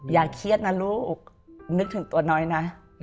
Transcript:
อย่าเครียดนะลูกนึกถึงตัวน้อยนะ